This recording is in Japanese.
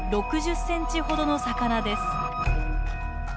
６０ｃｍほどの魚です。